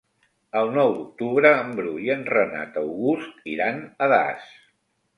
El nou d'octubre en Bru i en Renat August iran a Das.